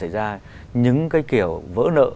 ra những cái kiểu vỡ nợ